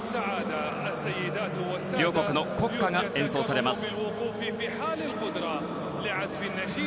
両国の国歌が演奏されます。